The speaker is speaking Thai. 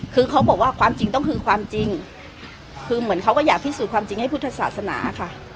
คือเขาบอกว่าความจริงต้องคือความจริงคือเหมือนเขาก็อยากพิสูจน์ความจริงให้พุทธศาสนาค่ะ